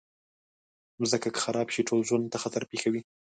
مځکه که خراب شي، ټول ژوند ته خطر پېښوي.